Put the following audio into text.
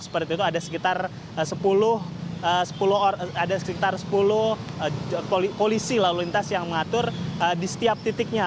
seperti itu ada sekitar sepuluh polisi lalu lintas yang mengatur di setiap titiknya